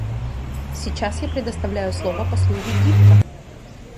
Сейчас я предоставляю слово послу Египта.